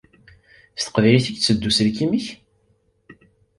S teqbaylit i iteddu uselkim-ik?